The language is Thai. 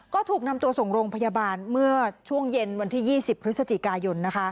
ก็ถูกนำตัวส่งโรงพยาบาลเมื่อช่วงเย็นวันที่๒๐พฤศจิกายน